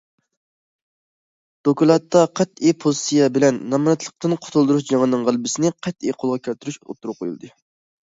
دوكلاتتا قەتئىي پوزىتسىيە بىلەن نامراتلىقتىن قۇتۇلدۇرۇش جېڭىنىڭ غەلىبىسىنى قەتئىي قولغا كەلتۈرۈش ئوتتۇرىغا قويۇلدى.